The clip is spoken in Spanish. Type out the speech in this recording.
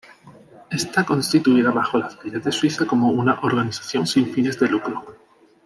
Está constituida bajo las leyes de Suiza como una organización 'sin fines de lucro'.